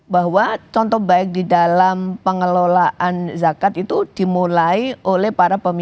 bahwa contoh baik di dalam pengelolaan zakat itu dimulai oleh para pemimpin